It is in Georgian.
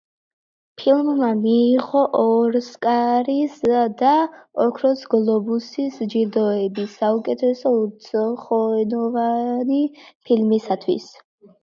ფილმმა მიიღო ოსკარისა და ოქროს გლობუსის ჯილდოები საუკეთესო უცხოენოვანი ფილმისთვის.